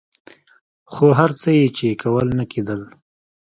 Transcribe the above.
خو هر څه یې چې کول نه کېدل.